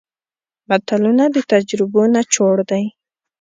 متلونه د تجربو نچوړ دی